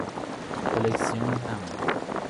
کلکسیون تمبر